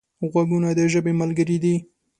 غوږونه د ژبې ملګري دي